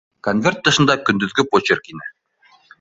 Конверт тышында көндөҙгө почерк ине